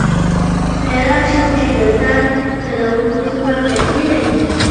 حیران شوم چې د تاند چلوونکي څومره پیسې لري.